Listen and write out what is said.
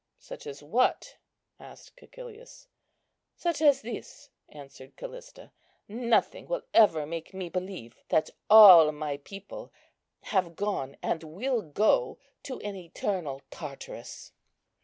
"Such as what?" asked Cæcilius. "Such as this," answered Callista. "Nothing will ever make me believe that all my people have gone and will go to an eternal Tartarus."